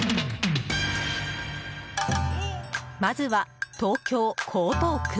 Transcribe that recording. まずは、東京・江東区。